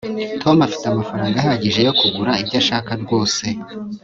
tom afite amafaranga ahagije yo kugura ibyo ashaka rwose